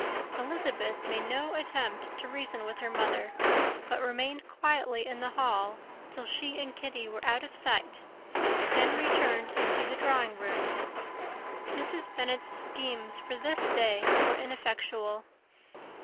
Elizabeth made no attempt to reason with her mother, but remained quietly in the hall till she and Kitty were out of sight, then returned into the drawing room. Mrs. Bennet's schemes for this day were ineffectual.